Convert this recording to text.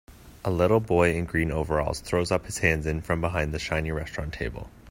A little boy in green overalls throws up his hands in from behind the shiny restaurant table.